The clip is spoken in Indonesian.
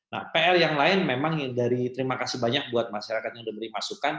nah pr yang lain memang dari terima kasih banyak buat masyarakat yang sudah beri masukan